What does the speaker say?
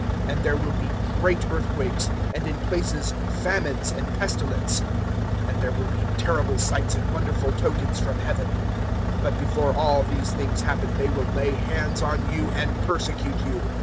021:011 And there will be great earthquakes, and in places famines and pestilence; and there will be terrible sights and wonderful tokens from Heaven. 021:012 "But before all these things happen they will lay hands on you and persecute you.